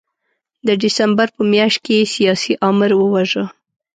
د ډسمبر په میاشت کې سیاسي آمر وواژه.